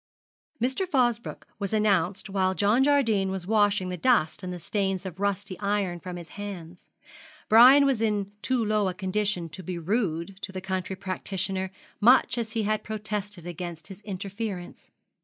Mr. Fosbroke was announced while John Jardine was washing the dust and the stains of rusty iron from his hands. Brian was in too low a condition to be rude to the country practitioner, much as he had protested against his interference.